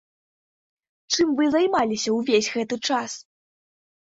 Чым вы займаліся ўвесь гэты час?